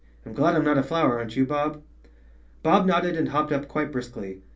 I'm glad I'm not a flower, aren't you, Bob?" ^^jBob nodded and hopped up quite briskly.